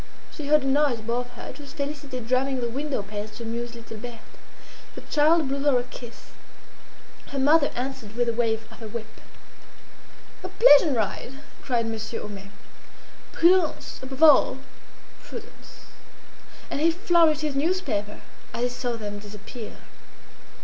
She heard a noise above her; it was Félicité drumming on the windowpanes to amuse little Berthe. The child blew her a kiss; her mother answered with a wave of her whip. "A pleasant ride!" cried Monsieur Homais. "Prudence! above all, prudence!" And he flourished his newspaper as he saw them disappear.